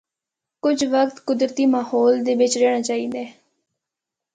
کجھ وقت قدرتی ماحول دے بچ رہنڑا چاہیے دا ہے۔